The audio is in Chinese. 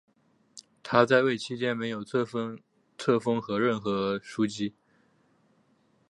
他在位期间没有册封任何枢机。